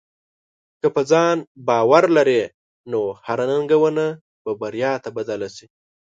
که په ځان باور لرې، نو هره ننګونه به بریا ته بدل شې.